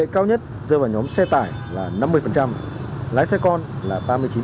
cao nhất rơi vào nhóm xe tải là năm mươi lái xe con là ba mươi chín